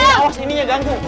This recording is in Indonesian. awas ini ya ganggu